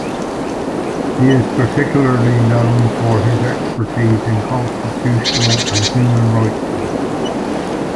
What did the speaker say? He is particularly known for his expertise in constitutional and human rights law.